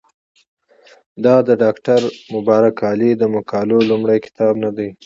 دا د ډاکټر مبارک علي د مقالو لومړی کتاب نه دی.